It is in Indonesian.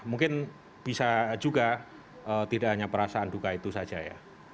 mungkin bisa juga tidak hanya perasaan duka itu saja ya